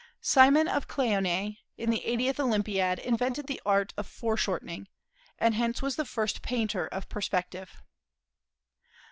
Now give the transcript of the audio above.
Cimon of Cleonae, in the eightieth Olympiad, invented the art of "fore shortening," and hence was the first painter of perspective.